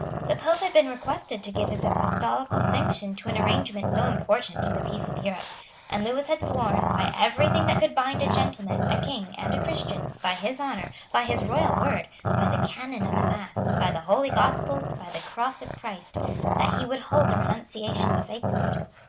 The Pope had been requested to give his apostolical sanction to an arrangement so important to the peace of Europe; and Lewis had sworn, by every thing that could bind a gentleman, a king, and a Christian, by his honour, by his royal word, by the canon of the Mass, by the Holy Gospels, by the Cross of Christ, that he would hold the renunciation sacred.